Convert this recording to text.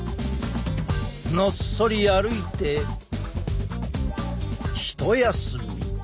のっそり歩いてひと休み。